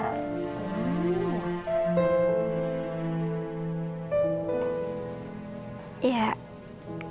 eh atuh pasti temen didukung sama mame juga